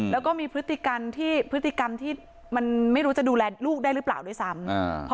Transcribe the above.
แล้วก็มีพฤติกรรมที่พฤติกรรมที่มันไม่รู้จะดูแลลูกได้หรือเปล่าด้วยซ้ำ